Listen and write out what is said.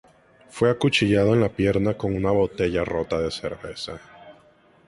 Fue acuchillado en la pierna con una botella rota de cerveza.